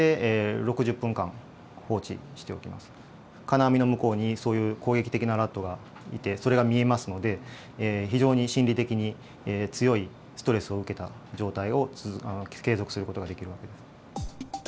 金網の向こうにそういう攻撃的なラットがいてそれが見えますので非常に心理的に強いストレスを受けた状態を継続する事ができる訳です。